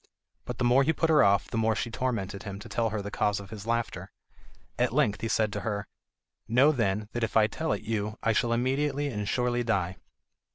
But the more he put her off, the more she tormented him to tell her the cause of his laughter. At length he said to her: "Know, then, that if I tell it you I shall immediately and surely die."